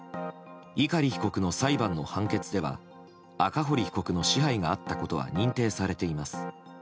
碇被告の裁判の判決では赤堀被告の支配があったことは認定されています。